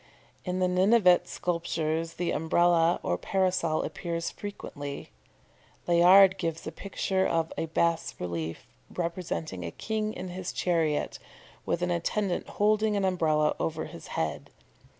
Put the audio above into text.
In the Ninevite sculptures the Umbrella or Parasol appears frequently. Layard gives a picture of a bas relief representing a king in his chariot, with an attendant holding an Umbrella over his head.